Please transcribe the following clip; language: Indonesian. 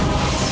aku akan menang